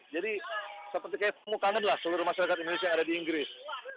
jadi seperti temukanan lah seluruh masyarakat indonesia yang ada di inggris